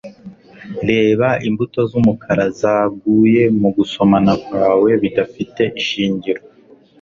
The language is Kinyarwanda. Reba imbuto zumukara zaguye mu gusomana kwawe bidafite ishingiro